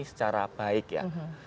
secara baik ya